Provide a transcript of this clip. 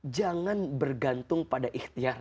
jangan bergantung pada ikhtiar